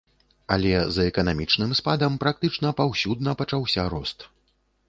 Але за эканамічным спадам практычна паўсюдна пачаўся рост.